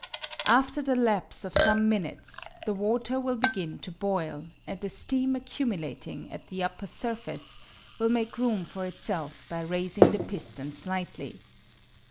After the lapse of some minutes the water will begin to boil, and the steam accumulating at the upper surface will make room for itself by raising the piston slightly.